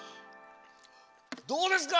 どうですか？